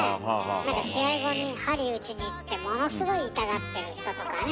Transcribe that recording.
何か試合後にはり打ちに行ってものすごい痛がってる人とかね。